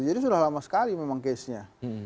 jadi sudah lama sekali memang case nya